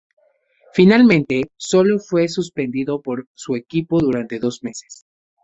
Finalmente sólo fue suspendido por su equipo durante dos meses.